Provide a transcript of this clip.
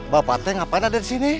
bapak teng ngapain ada disini